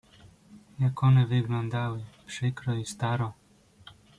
"Jak one wyglądały przykro i staro!"